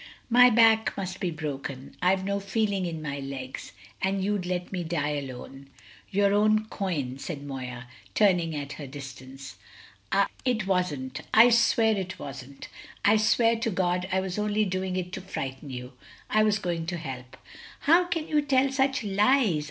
"My back must be broken I've no feeling in my legs. And you'd let me die alone!" "Your own coin," said Moya, turning at her distance. "It wasn't. I swear it wasn't. I swear to God I was only doing it to frighten you! I was going for help." "How can you tell such lies?"